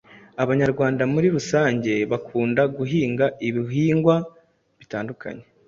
Abanyarwanda muri rusange bakunda guhinga ibihingwa bitandukanye